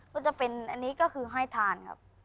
ก็จะเป็นอันนี้ก็คือให้ทานครับ